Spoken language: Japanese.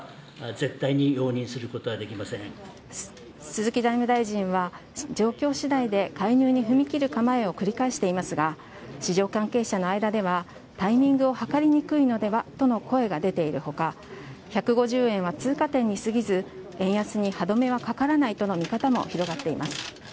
鈴木財務大臣は状況次第で介入に踏み切る構えを繰り返していますが市場関係者の間ではタイミングを計りにくいのではとの声が出ている他１５０円は通過点に過ぎず円安に歯止めはかからないとの見方も広がっています。